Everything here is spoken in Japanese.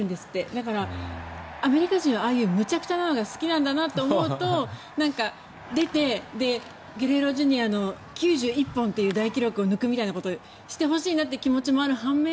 だから、アメリカ人はああいうむちゃくちゃなのが好きなんだなと思うと出て、ゲレーロＪｒ．の９１本という大記録を抜くみたいなことをしてほしいなという気持ちもある半面